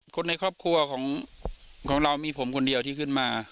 คนในครอบครัวของเรามีผมคนเดียวที่ขึ้นมา